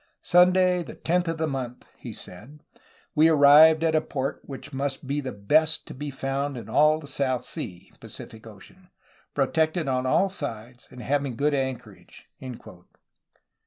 "Sunday, the 10th of the month," he said, "we arrived at a port which must be the best to be found in all the South Sea [Pacific Ocean], ... protected on all sides and having good anchorage."